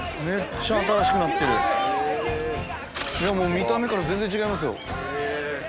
見た目から全然違いますよ。